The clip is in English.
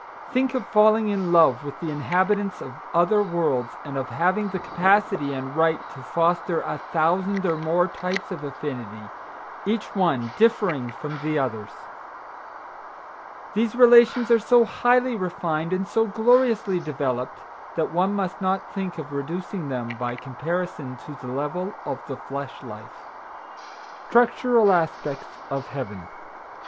Think of falling in love with the inhabitants of other worlds and of having the capacity and right to foster a thousand or more types of affinity, each one differing from the others! These relations are so highly refined and so gloriously developed that one must not think of reducing them by comparison to the level of the flesh life. STRUCTURAL ASPECTS OF HEAVEN.